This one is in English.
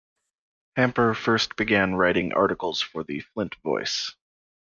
Hamper first began writing articles for the "Flint Voice".